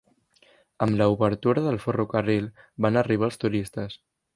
Amb la obertura del ferrocarril van arribar els turistes.